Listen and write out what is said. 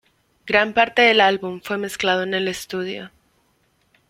Gran parte del álbum fue mezclado en el estudio.